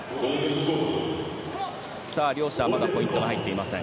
両者、まだポイントが入っていません。